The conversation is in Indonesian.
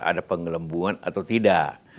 ada penggelembungan atau tidak